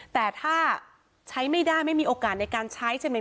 แต่ถ้าใช้ไม่ได้ไม่มีโอกาสในการใช้ใช่ไหม